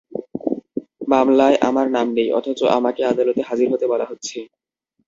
মামলায় আমার নাম নেই, অথচ আমাকে আদালতে হাজির হতে বলা হচ্ছে।